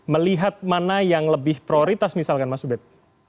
melihat mana yang lebih prioritas misalkan mas ubed